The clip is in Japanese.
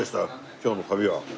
今日の旅は。